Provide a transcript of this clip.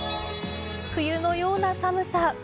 冬のような寒さ。